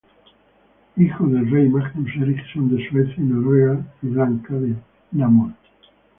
Hijo del rey Magnus Eriksson de Suecia y Noruega y Blanca de Namur.